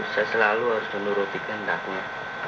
saya selalu harus menuruti kehendaknya